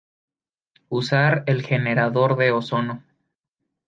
Usar el "Generador de Ozono.